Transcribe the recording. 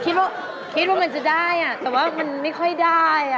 คิดว่าคิดว่ามันจะได้แต่ว่ามันไม่ค่อยได้